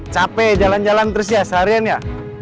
capek jalan jalan terus ya seharian ya